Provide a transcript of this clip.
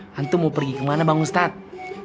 hantu mau pergi kemana bang ustadz